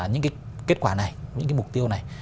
những kết quả này những mục tiêu này